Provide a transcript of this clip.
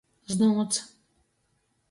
Znūts.